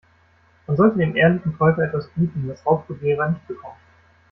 Man sollte dem ehrlichen Käufer etwas bieten, was Raubkopierer nicht bekommen.